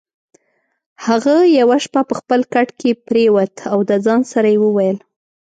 هغه یوه شپه په خپل کټ کې پرېوت او د ځان سره یې وویل: